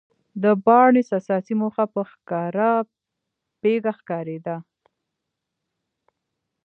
د بارنس اساسي موخه په ښکاره پيکه ښکارېده.